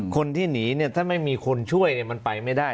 คนที่หนีเนี่ยถ้าไม่มีคนช่วยมันไปไม่ได้